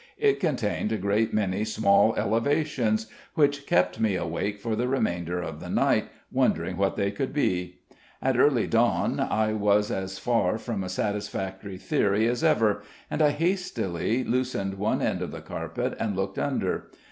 It contained a great many small elevations which kept me awake for the remainder of the night, wondering what they could be. At early dawn I was as far from a satisfactory theory as ever, and I hastily loosened one end of the carpet and looked under.